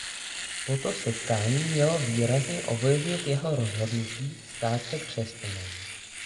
Toto setkání mělo výrazně ovlivnit jeho rozhodnutí stát se křesťanem.